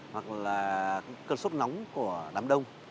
hoặc là cơn sốt nóng của đám đông